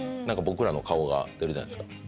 何か僕らの顔が出るじゃないですか。